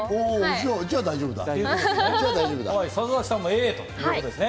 じゃあ、大丈夫だ。